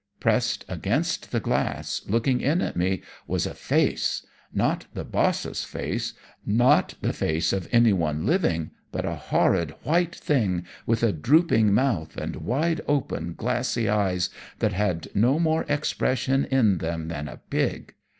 Pressed against the glass, looking in at me, was a face not the boss's face, not the face of anyone living, but a horrid white thing with a drooping mouth and wide open, glassy eyes, that had no more expression in them than a pig.